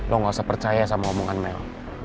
lo gak usah percaya sama omongan mel